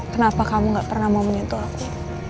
kenapa kamu gak pernah mau menyentuh aku